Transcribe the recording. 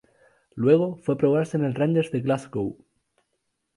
Luego, fue a probarse en el Rangers de Glasgow.